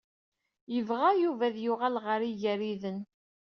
Yebɣa Yuba ad yuɣal ɣer Igariden.